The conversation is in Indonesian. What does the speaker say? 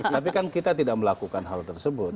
tapi kan kita tidak melakukan hal tersebut